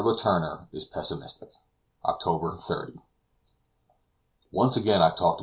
LETOURNEUR IS PESSIMISTIC OCTOBER 30. Once again I talked to M.